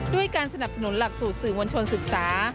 ด้วยการสนับสนุนหลักสูตรสื่อมวลชนศึกษา